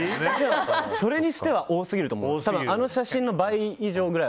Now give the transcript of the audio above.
それにしては多すぎると思う。